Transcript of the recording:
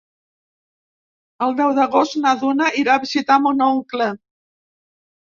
El deu d'agost na Duna irà a visitar mon oncle.